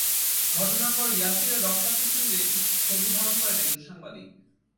ঘটনার পর ইয়াসিরের রক্তাক্ত শরীরের একটি ছবি ধারণ করেন একজন সাংবাদিক।